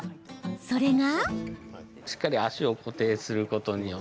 それが。